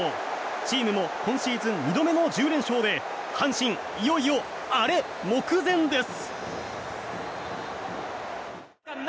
チームも今シーズン２度目の１０連勝で阪神、いよいよアレ目前です！